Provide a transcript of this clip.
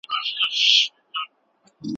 زما ته خوښ یې.